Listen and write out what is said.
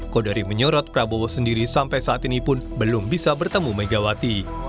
kodari menyorot prabowo sendiri sampai saat ini pun belum bisa bertemu megawati